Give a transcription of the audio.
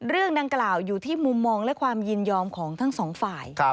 เรื่องดังกล่าวอยู่ที่มุมมองและความยินยอมของทั้งสองฝ่าย